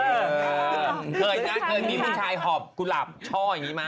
เคยนะมีคนที่ทายหอบกุล่าปช่ออย่างนี้มาก